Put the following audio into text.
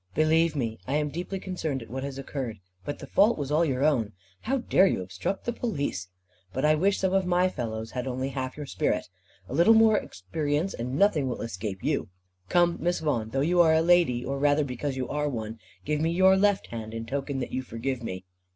"Believe me, I am deeply concerned at what has occurred. But the fault was all your own. How dare you obstruct the Police? But I wish some of my fellows had only half your spirit. A little more experience, and nothing will escape you. Come, Miss Vaughan, though you are a lady, or rather because you are one, give me your left hand, in token that you forgive me."